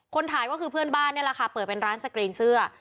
ถ่ายก็คือเพื่อนบ้านนี่แหละค่ะเปิดเป็นร้านสกรีนเสื้อ